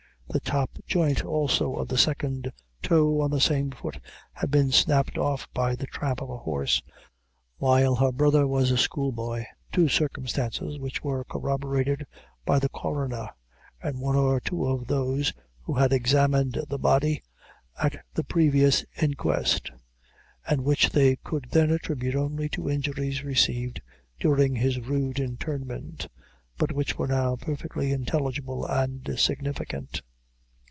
The top joint also of the second toe, on the same foot had been snapped off by the tramp of a horse, while her brother was a schoolboy two circumstances which were corroborated by the Coroner, and one or two of those who had examined the body at the previous inquest, and which they could then attribute only to injuries received during his rude interment, but which were now perfectly intelligible and significant.